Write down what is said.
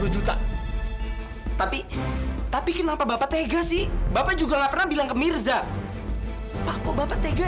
dua puluh juta tapi tapi kenapa bapak tega sih bapak juga nggak pernah bilang ke mirza aku bapak tega